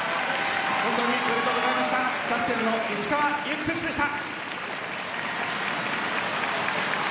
本当におめでとうございましたキャプテンの石川祐希選手でした。